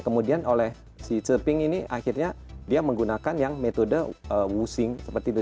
kemudian oleh si tzu ping ini akhirnya dia menggunakan yang metode wu xing seperti itu